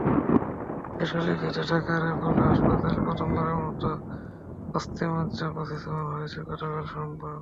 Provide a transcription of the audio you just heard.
বেসরকারি খাতে ঢাকার অ্যাপোলো হাসপাতালে প্রথমবারের মতো অস্থিমজ্জা প্রতিস্থাপন হয়েছে গতকাল সোমবার।